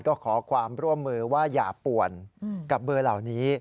ก็ขอความร่วมมือว่าอย่าป่วนกับเบอร์เหล่านี้